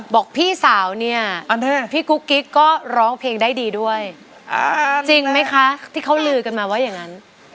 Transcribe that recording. บอกพี่สาวเนี่ยพี่กุ๊กกิ๊กก็ร้องเพลงได้ดีด้วยจริงไหมคะที่เขาลือกันมาว่าอย่างนั้น